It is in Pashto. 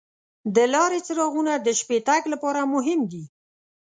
د لارې څراغونه د شپې تګ لپاره مهم دي.